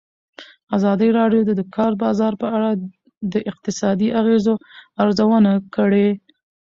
ازادي راډیو د د کار بازار په اړه د اقتصادي اغېزو ارزونه کړې.